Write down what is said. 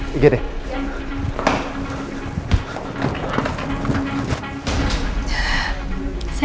aku gak maksa